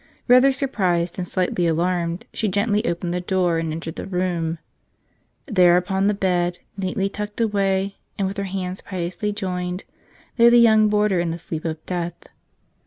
Rather surprised and slightly alarmed, she gently opened the door and entered the room. There upon the bed, neatly tucked away and with her hands piously joined, lay the young boarder in the sleep of death.